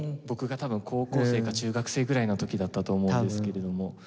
僕が多分高校生か中学生ぐらいの時だったと思うんですけれども。